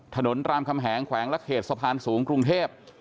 ถนนตามคำแหงแขวงลักเขตสะพานสูงกรุงเทพฯ